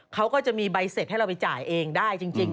เขาก็จะมีใบเสร็จให้เราไปจ่ายเองได้จริง